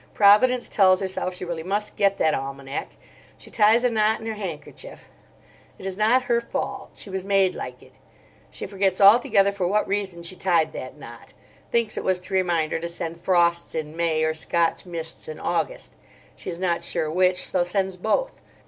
Providence tells herself she really must get that almanack. She ties a knot in her handkerchief. It is not her fault: she was made like it. She forgets altogether for what reason she tied that knot. Thinks it was to remind her to send frosts in May, or Scotch mists in August. She is not sure which, so sends both.